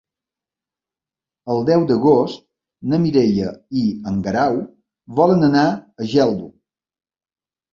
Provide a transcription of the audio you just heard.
El deu d'agost na Mireia i en Guerau volen anar a Geldo.